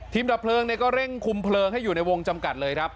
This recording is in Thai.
ดับเพลิงก็เร่งคุมเพลิงให้อยู่ในวงจำกัดเลยครับ